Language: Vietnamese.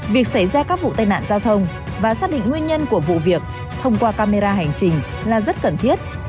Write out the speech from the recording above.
việc xảy ra các vụ tai nạn giao thông và xác định nguyên nhân của vụ việc thông qua camera hành trình là rất cần thiết